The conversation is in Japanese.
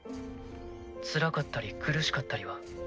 つらかったり苦しかったりは？